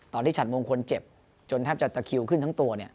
ตอนที่ฉันมงคลเจ็บจนแทบจะตะคิวขึ้นทั้งตัว